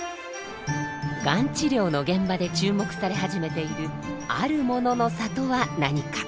がん治療の現場で注目され始めているあるものの差とは何か？